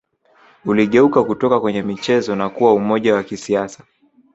Uligeuka kutoka kwenye michezo na kuwa umoja wa kisiasa